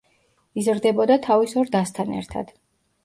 იზრდებოდა თავის ორ დასთან ერთად.